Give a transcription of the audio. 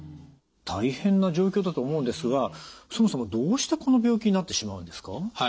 大変な状況だと思うんですがそもそもどうしてこの病気になってしまうんですか？